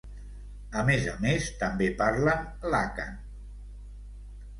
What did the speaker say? A més a més també parlen l'àkan.